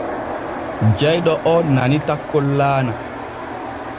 Jayɗo oo nani takkol laana.